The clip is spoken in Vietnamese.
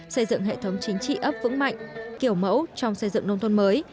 xây dựng hệ thống chính trị ấp vững mạnh kiểu mẫu trong xây dựng nông thôn mới